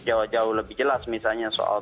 jauh jauh lebih jelas misalnya soal